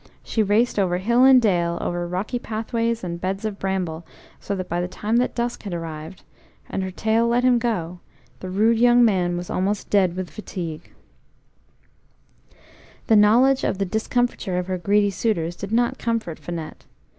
She raced over hill and dale, over rocky pathways and beds of bramble, so that by the time that dusk had arrived, and her tail let him go, the rude young man was almost dead with fatigue. "SHE RACED OVER HILL AND DALE" The knowledge of the discomfiture of her greedy suitors did not comfort Finette.